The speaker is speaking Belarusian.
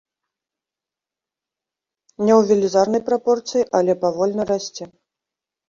Не ў велізарнай прапорцыі, але павольна расце.